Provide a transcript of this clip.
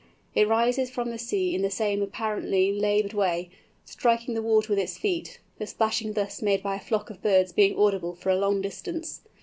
It rises from the sea in the same apparently laboured way, striking the water with its feet—the splashing thus made by a flock of birds being audible for a long distance.